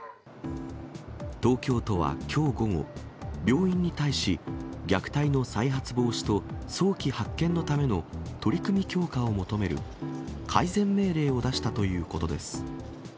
東京都はきょう午後、病院に対し、虐待の再発防止と早期発見のための取り組み強化を求める、改善命令を出したということです。